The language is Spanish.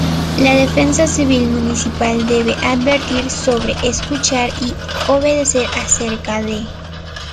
La Defensa Civil municipal debe advertir sobre escuchar y obedecer acerca de